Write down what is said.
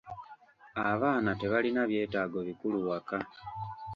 Abaana tebalina byetaago bikulu waka.